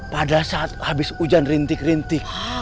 pada saat habis hujan rintik rintik